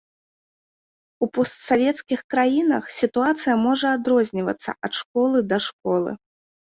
У постсавецкіх краінах сітуацыя можа адрознівацца ад школы да школы.